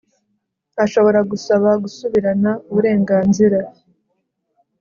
ashobora gusaba gusubirana uburenganzira